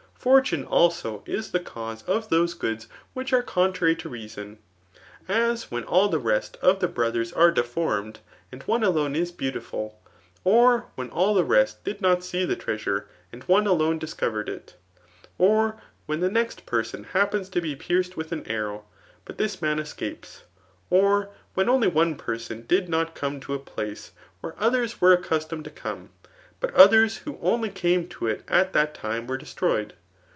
Fortune, abq, ii tke cause of those goodii which are contrary to reason ; as: when all the rest of the brothers zre deformed, an4 one alone is beautiful ; or when all the rest did not see the treasure, and one alone discovered it ; or when the ^ next person happens to be pierced with an arrow, but this snaiK escsq>es $ or when <mly one person did not come to^ a place where others were accustomed to come, bift others who only came to it at that time were de^rdyed.